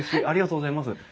ありがとうございます。